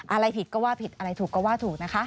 อะไรผิดก็ว่าผิดอะไรถูกก็ว่าถูกนะคะ